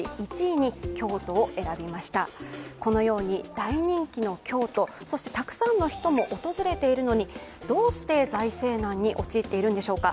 大人気の京都、そしてたくさんの人も訪れているのに、どうして財政難に陥っているんでしょうか。